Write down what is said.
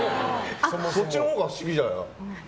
そっちのほうが不思議じゃないか。